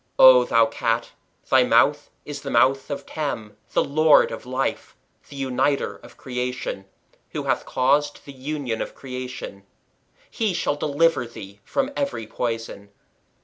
O thou Cat, thy mouth is the mouth of Tem, the Lord of life, the uniter (?) of creation, who hath caused the union (?) of creation; he shall deliver thee from every poison.